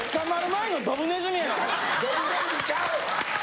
ドブネズミちゃう！